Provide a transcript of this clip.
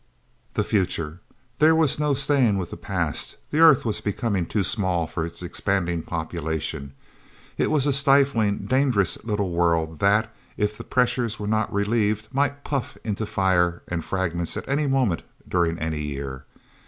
The future. There was no staying with the past. The Earth was becoming too small for its expanding population. It was a stifling, dangerous little world that, if the pressures were not relieved, might puff into fire and fragments at any moment during any year.